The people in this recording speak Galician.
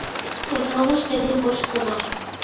Os novos teñen bo estómago.